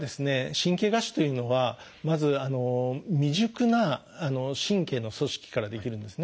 神経芽腫というのはまず未熟な神経の組織から出来るんですね。